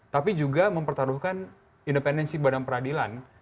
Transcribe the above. tapi juga mempertaruhkan independensi badan peradilan